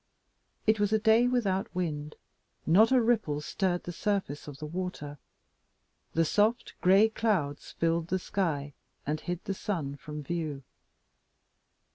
It was a day without wind; not a ripple stirred the surface of the water; the soft gray clouds filled all the sky, and hid the sun from view.